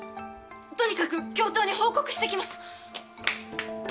とにかく教頭に報告してきます。